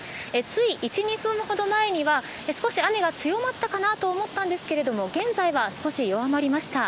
つい１、２分ほど前には少し雨が強まったかなと思ったんですけども現在は少し弱まりました。